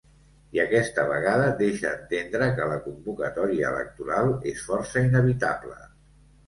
I aquesta vegada deixa entendre que la convocatòria electoral és força inevitable.